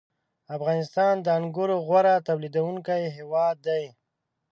• افغانستان د انګورو غوره تولیدوونکی هېواد دی.